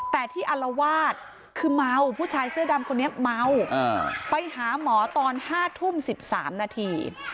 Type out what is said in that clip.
แต่ที่อารวาสคือเมาผู้ชายเสื้อดำคนนี้เมาไปหาหมอตอน๕ทุ่ม๑๓นาที